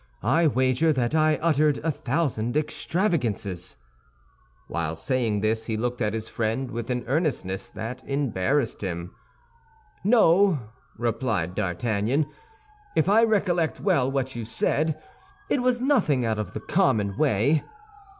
I wager that I uttered a thousand extravagances." While saying this he looked at his friend with an earnestness that embarrassed him. "No," replied D'Artagnan, "if I recollect well what you said, it was nothing out of the common way."